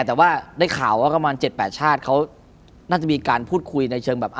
แต่ว่าได้ข่าวว่าประมาณ๗๘ชาติเขาน่าจะมีการพูดคุยในเชิงแบบ